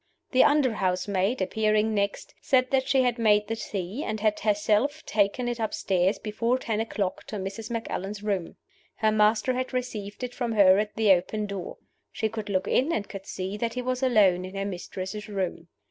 The under housemaid, appearing next, said that she had made the tea, and had herself taken it upstairs before ten o'clock to Mrs. Macallan's room. Her master had received it from her at the open door. She could look in, and could see that he was alone in her mistress's room.